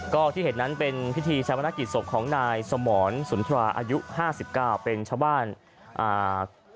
ก็ที่เห็นทำเป็นพิธีชาบนาคิดศพของนายสมรสธราบาทอายุ๕๙